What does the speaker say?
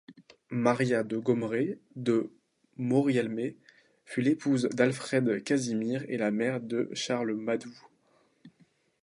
Maria de Gomrée de Morialmé fut l'épouse d'Alfred-Casimir et la mère de Charles Madoux.